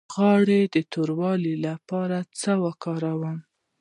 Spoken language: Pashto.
د غاړې د توروالي لپاره څه شی وکاروم؟